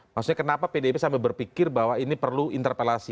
maksudnya kenapa pdip sampai berpikir bahwa ini perlu interpelasi